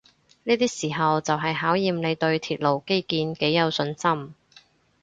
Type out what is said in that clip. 呢啲時候就係考驗你對鐵路基建幾有信心